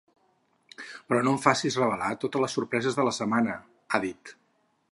Però no em facis revelar totes les sorpreses de la setmana, ha dit.